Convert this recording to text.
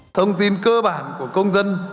thông tin cơ bản của công dân